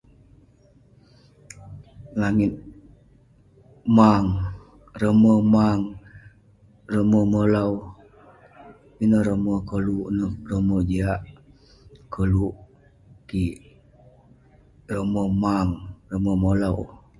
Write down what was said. Langit mang, rome mang, rome molau, ineh rome koluk, ineh rome jiak koluk kik. Rome mang, rome molau.